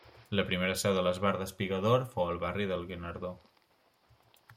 La primera seu de l’Esbart Espiga d'Or fou al barri del Guinardó.